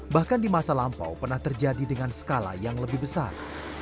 bahkan di masa lampau pernah terjadi dengan skala yang lebih besar